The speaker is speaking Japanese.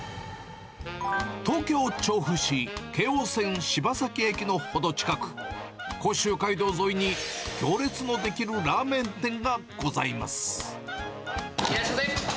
東京・調布市、京王線柴崎駅の程近く、甲州街道沿いに、行列の出来るラーメン店いらっしゃいませ。